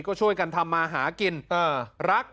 ก็ช่วยกันทำมาหากินรัก